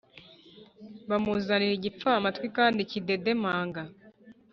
Bamuzanira igipfamatwi kandi kidedemanga